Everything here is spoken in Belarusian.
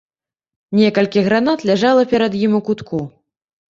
Некалькі гранат ляжала перад ім у кутку.